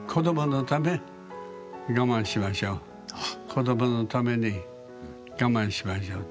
子どものために我慢しましょう。